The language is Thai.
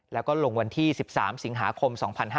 แล้วก็ลงวันที่๑๓สิงหาคม๒๕๕๙